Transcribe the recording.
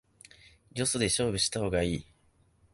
よそで勝負した方がいい